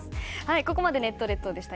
ここまでネット列島でした。